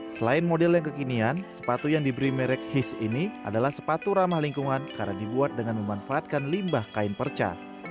selain model yang kekinian sepatu yang diberi merek his ini adalah sepatu ramah lingkungan karena dibuat dengan memanfaatkan limbah kain perca